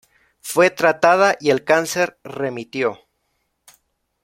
Fue tratada y el cáncer remitió.